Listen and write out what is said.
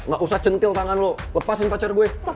gak usah centil tangan lo lepasin pacar gue